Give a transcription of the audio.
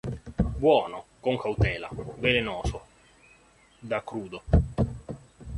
Buono, con cautela; velenoso da crudo.